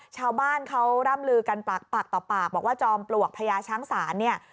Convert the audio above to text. ชาวบ้านเขาร่ำลือกันปากต่อปากบอกว่าจอมปลวกพญาช้างศาลเนี่ย